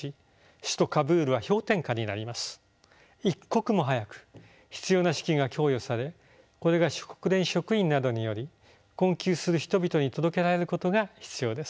一刻も早く必要な資金が供与されこれが国連職員などにより困窮する人々に届けられることが必要です。